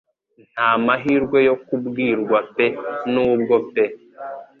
Nta mahirwe yo kubwirwa pe nubwo pe